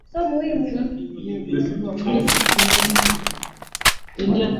Kijana alikubali kuwapitishia taarifa muhimu kwa namna ambayo siyo rahisi kujulikana